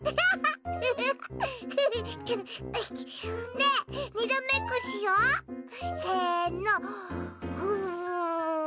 ねえにらめっこしよう！せの！